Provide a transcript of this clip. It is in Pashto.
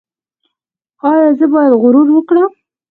ایا زه باید غرور وکړم؟